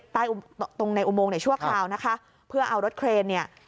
ตรงในอุโมงเนี่ยชั่วคราวนะคะเพื่อเอารถเครนเนี่ย